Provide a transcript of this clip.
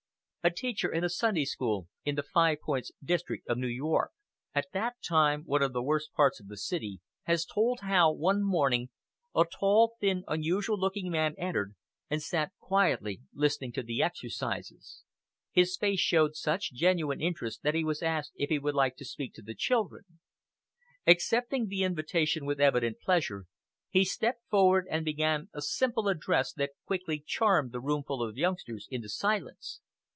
A teacher in a Sunday school in the Five Points district of New York, at that time one of the worst parts of the city, has told how, one morning, a tall, thin, unusual looking man entered and sat quietly listening to the exercises. His face showed such genuine interest that he was asked if he would like to speak to the children. Accepting the invitation with evident pleasure, he stepped forward and began a simple address that quickly charmed the roomful of youngsters into silence.